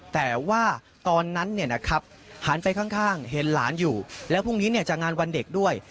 แต่ว่าตอนนั้นหันไปข้างเห็นหลานอยู่แล้วพรุ่งนี้จะงานวันเด็กด้วย